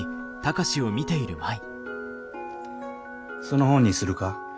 その本にするか？